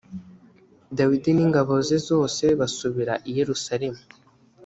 dawidi n’ingabo ze zose basubira i yerusalemu